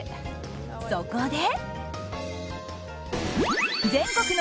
そこで。